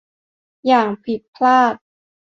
อย่างผิดพลาด